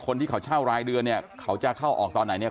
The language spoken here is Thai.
คนที่เขาเช่ารายเดือนเนี่ยเขาจะเข้าออกตอนไหนเนี่ย